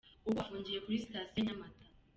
Ubu afungiye kuri sitasiyo ya Nyamata.